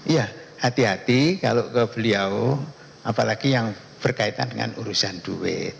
ya hati hati kalau ke beliau apalagi yang berkaitan dengan urusan duit